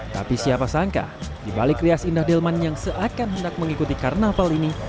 tapi siapa sangka di balik rias indah delman yang seakan hendak mengikuti karnaval ini